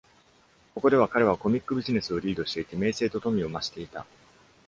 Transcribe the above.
ここでは彼はコミック・ビジネスをリードしていて、名声と富を増していた。